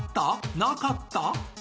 なかった？